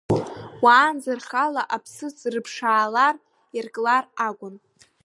Уаанӡа рхала аԥсыӡ рыԥшаалар, ирклар акәын.